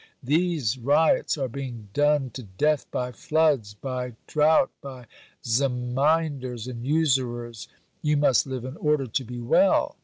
These ryots are being done to death by floods, by drought, by Zemindars, and usurers. You must live in order to be well."